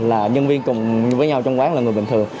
là nhân viên cùng với nhau trong quán là người bình thường